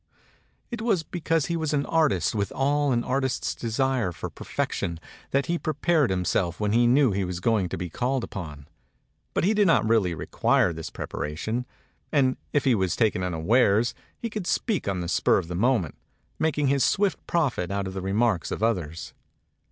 It was because he was an artist with all an artist's desire for perfection, that he prepared himself when he knew he was going to be called upon. But he did not really require this prep aration; and if he was taken unawares he could speak on th spur of tin moment, making his ift profit out of the n marks of others.